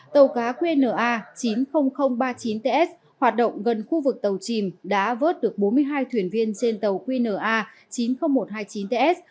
tàu cá qnna chín mươi nghìn ba mươi chín ts hoạt động gần khu vực tàu chìm đã vớt được bốn mươi hai thuyền viên trên tàu qna chín mươi nghìn một trăm hai mươi chín ts